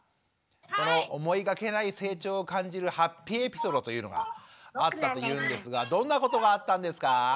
この思いがけない成長を感じるハッピーエピソードというのがあったというんですがどんなことがあったんですか？